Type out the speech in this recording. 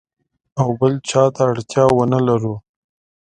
او بل چاته اړتیا ونه لرو.